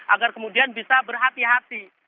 agar kemudian bisa berhati hati